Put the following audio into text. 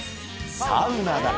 サウナだ。